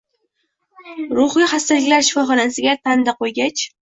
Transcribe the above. Ruhiy xastaliklar shifoxonasiga tanda qoʼygach